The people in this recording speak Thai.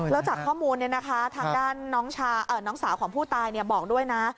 แล้วจากข้อมูลทางด้านน้องสาวของผู้ตายบอกด้วยนะ